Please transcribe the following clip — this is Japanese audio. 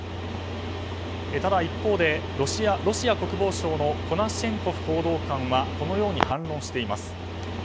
ただ、一方でロシア国防省のコナシェンコフ報道官はこのように反論しています。